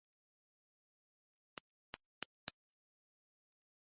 だから言ったではないか初めから勝負はついていると